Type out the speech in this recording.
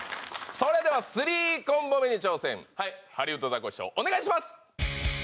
それではスリーコンボ目に挑戦ハリウッドザコシショウお願いします！